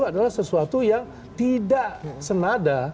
adalah sesuatu yang tidak senada